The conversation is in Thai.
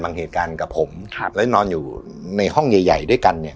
เหตุการณ์กับผมครับแล้วนอนอยู่ในห้องใหญ่ใหญ่ด้วยกันเนี่ย